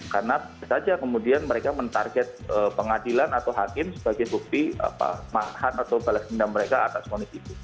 karena saja kemudian mereka menarget pengadilan atau hakim sebagai bukti mahal atau balas dendam mereka atas ponisi itu